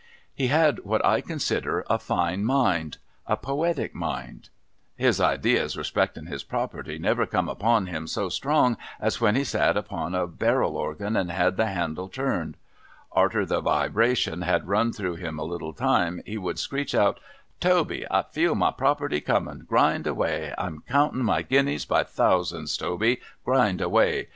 He had what I consider a fine mind — a poetic mind. His ideas respectin his property never come upon him so strong as when he sat upon a barrel organ and had the handle turned. Arter the wibration had run through him a little time, he would screech out, ' Toby, I feel my property coming— grind away ! I'm counting my gumeas by thousands, Toby — grind away